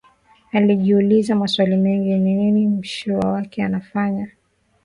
Alijiuliza maswali mengi, ni nini mshua wake anafanya?